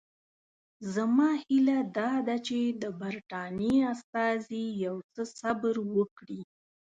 زما هیله دا ده چې د برټانیې استازي یو څه صبر وکړي.